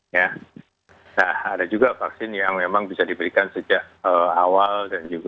nah ada juga vaksin yang memang bisa diberikan sejak awal dan juga